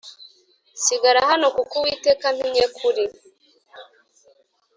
sigara hano kuko Uwiteka antumye kuri